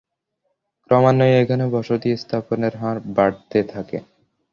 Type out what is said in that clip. ক্রমান্বয়ে এখানে বসতি স্থাপনের হার বাড়তে থাকে।